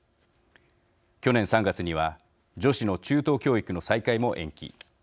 去年３月には女子の中等教育の再開も延期。